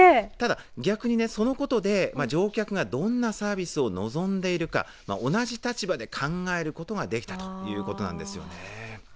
ただ逆にそのことで乗客がどんなサービスを望んでいるか同じ立場で考えることができたということなんですよね。